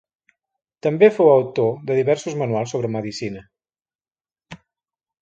També fou autor de diversos manuals sobre medicina.